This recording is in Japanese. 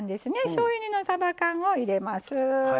しょうゆ煮のさば缶を入れます。